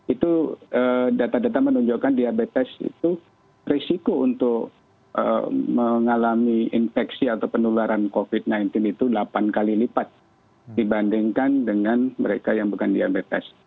itu data data menunjukkan diabetes itu risiko untuk mengalami infeksi atau penularan covid sembilan belas itu delapan kali lipat dibandingkan dengan mereka yang bukan diabetes